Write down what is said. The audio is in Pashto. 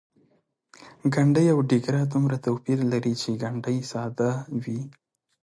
ګنډۍ او ډیګره دومره توپیر لري چې ګنډۍ ساده وي.